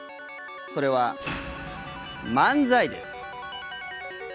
それは漫才です。